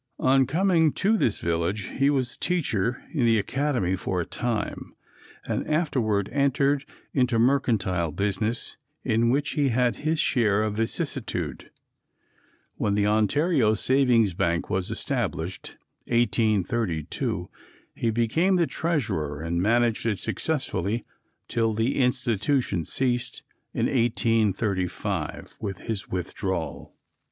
On coming to this village, he was teacher in the Academy for a time, and afterward entered into mercantile business, in which he had his share of vicissitude. When the Ontario Savings Bank was established, 1832, he became the Treasurer, and managed it successfully till the institution ceased, in 1835, with his withdrawal.